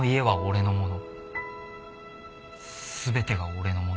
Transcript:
全てが俺のもの。